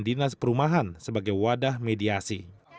dinas perumahan sebagai wadah mediasi